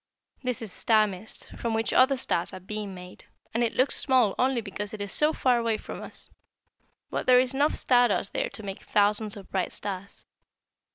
This is star mist, from which other stars are being made, and it looks small only because it is so far away from us; but there is enough star dust there to make thousands of bright stars.